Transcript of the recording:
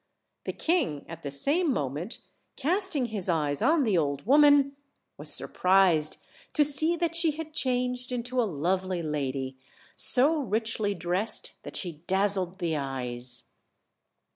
The king at the same moment casting his eyes on the old woman, was surprised to see that she had changed into a lovely lady, so richly dressed that she dazzled the eyes.